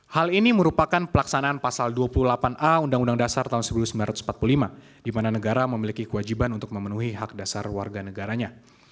hal ini merupakan pelaksanaan pasal dua puluh delapan a undang undang dasar tahun seribu sembilan ratus empat puluh lima di mana negara memiliki kewajiban untuk memenuhi hak dasar warga negaranya